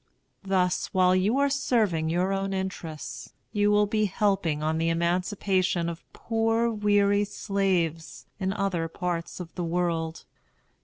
Thus, while you are serving your own interests, you will be helping on the emancipation of poor weary slaves in other parts of the world.